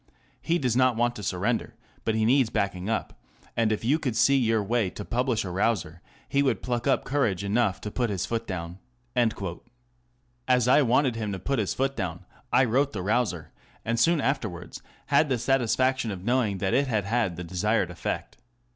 " He does not want to surrender, but he needs backing up, and if you could see your way to publish a rouser, he would pluck up courage enough to put his foot down." As I wanted him to put his foot down, I wrote the " rouser/' and soon afterwards had the Y Y 2 Digitized by Google 660 THE CONTEMPORARY REVIEW. satisfaction of knowing that it had had the desired effect.